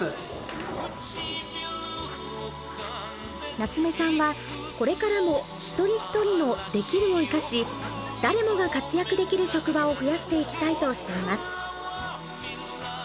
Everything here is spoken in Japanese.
夏目さんはこれからも一人一人の「できる」を生かし誰もが活躍できる職場を増やしていきたいとしています。